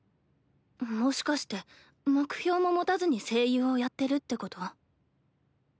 もしかして目標も持たずに声優をやってるってこと？